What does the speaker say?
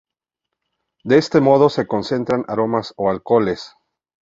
De este modo se concentran aromas o alcoholes.